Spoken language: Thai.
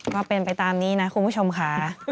ก็เป็นไปตามนี้นะคุณผู้ชมค่ะ